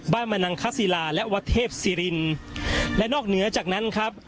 มนังคศิลาและวัดเทพศิรินและนอกเหนือจากนั้นครับ